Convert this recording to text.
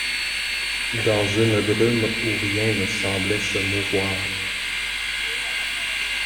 Dans une brume où rien ne semblait se mouvoir.